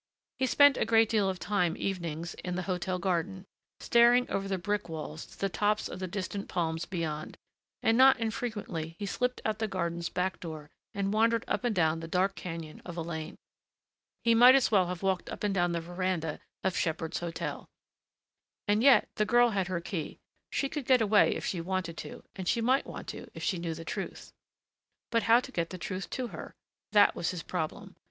He spent a great deal of time evenings in the hotel garden, staring over the brick walls to the tops of distant palms beyond, and not infrequently he slipped out the garden's back door and wandered up and down the dark canyon of a lane. He might as well have walked up and down the veranda of Shepheard's Hotel. And yet the girl had her key. She could get away if she wanted to and she might want to if she knew the truth. But how to get that truth to her? That was his problem.